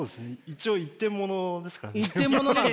一応一点ものですからね。